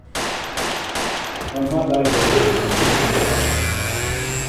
Men moat dy de wurden út 'e mûle helje.